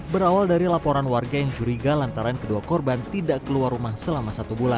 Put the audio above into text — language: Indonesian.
berawal dari laporan warga yang curiga lantaran kedua korban tidak keluar rumah selama satu bulan